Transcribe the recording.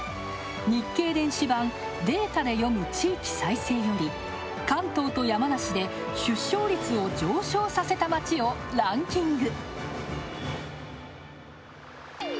日経電子版「データで読む地域再生」より関東と山梨で、出生率を上昇させた街をランキング。